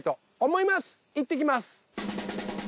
いってきます。